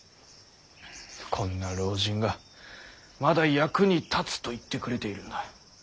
こんな老人がまだ役に立つと言ってくれているんだ。